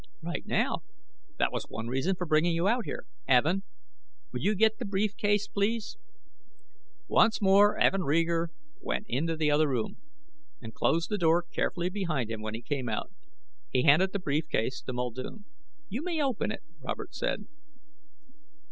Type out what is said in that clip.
"Right now. That was one reason for bringing you out here. Evin, will you get the brief case, please?" Once more Evin Reeger went into the other room. And closed the door carefully behind him when he came out. He handed the brief case to Muldoon. "You may open it," Robert said.